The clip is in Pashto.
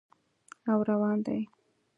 او روان دي